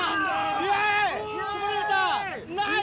イエイ！